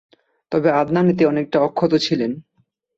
তবে আদনান এতে অনেকটা অক্ষত ছিলেন।